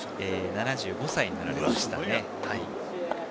７５歳になられましたね。